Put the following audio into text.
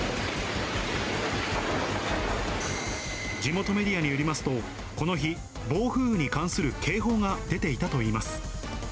地元メディアによりますと、この日、暴風雨に関する警報が出ていたといいます。